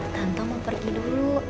tante mau pergi dulu ya